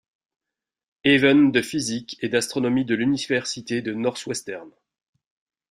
Haven de physique et d'astronomie de l' Université Northwestern.